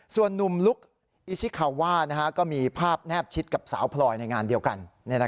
ส่วนนุ่มลุกอิชิคาว่าก็มีภาพแนบชิดกับสาวพลอยในงานเดียวกัน